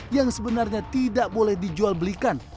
yang sebenarnya tidak boleh dijual belikan